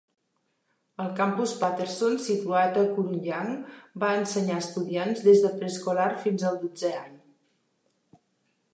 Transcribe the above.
El campus Patterson, situat a Kurunjang, va ensenyar estudiants des de preescolar fins al dotzè any.